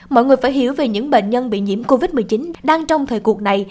mọi người phải hiểu về những bệnh nhân bị nhiễm covid một mươi chín đang trong thời cuộc này